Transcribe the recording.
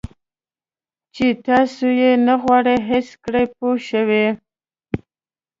چې تاسو یې نه غواړئ حس کړئ پوه شوې!.